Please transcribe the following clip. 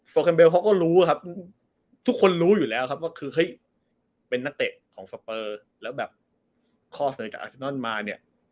แคมเบลเขาก็รู้ครับทุกคนรู้อยู่แล้วครับว่าคือเฮ้ยเป็นนักเตะของสเปอร์แล้วแบบข้อเสนอจากอาเซนอนมาเนี่ย